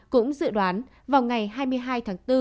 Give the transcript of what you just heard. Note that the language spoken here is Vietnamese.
cũng dự đoán vào ngày hai mươi hai tháng bốn